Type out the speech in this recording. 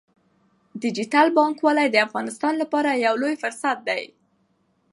ډیجیټل بانکوالي د افغانستان لپاره یو لوی فرصت دی۔